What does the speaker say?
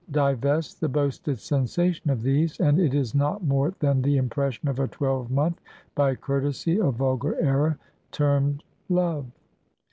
Divest the boasted sensation of these, and it is not more than the impression of a twelve month, by courtesy, or vulgar error, termed love.